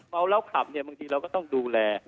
เมาแล้วขับเนี่ยบางทีเราก็ต้องดูแล